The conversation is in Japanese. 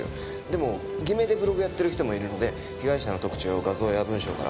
でも偽名でブログをやっている人もいるので被害者の特徴を画像や文章から探してるんです。